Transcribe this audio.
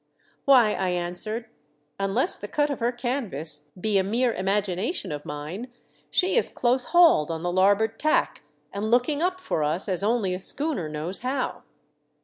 " Why," I answered, " unless the cut of her canvas be a mere imagination of mine, she is close hauled on the larboard tack and looking up for us as only a schooner knows how."